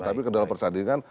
tapi ke dalam persandingan